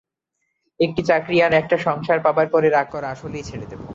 একটা চাকরি আর একটা সংসার পাওয়ার পরে রাগ করা আসলেই ছেড়ে দেবো।